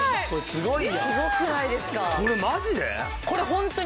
すごい。